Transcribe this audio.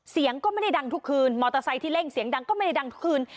เสียงก็ไม่ได้ดังทุกคืนมอเตอร์ไซค์ที่เร่งเสียงดังก็ไม่ได้ดังทุกคืน